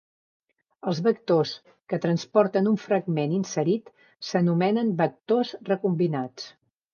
Els vectors que transporten un fragment inserit s'anomenen vectors recombinants.